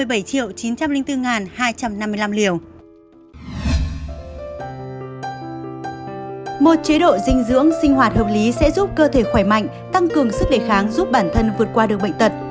một chế độ dinh dưỡng sinh hoạt hợp lý sẽ giúp cơ thể khỏe mạnh tăng cường sức đề kháng giúp bản thân vượt qua được bệnh tật